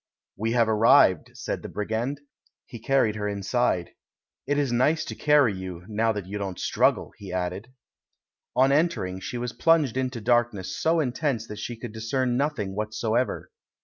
"We have arrived," said the brigand; he car ried her inside. "It is nice to carry you, now that you don't struggle," he added. On entering, she was plunged into darkness so intense that she could discern nothing whatever.